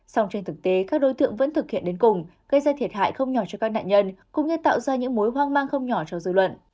song trên thực tế các đối tượng vẫn thực hiện đến cùng gây ra thiệt hại không nhỏ cho các nạn nhân cũng như tạo ra những mối hoang mang không nhỏ cho dư luận